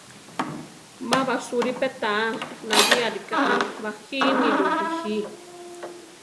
Ma basúri pe táa, náli arika a bajinílu biji.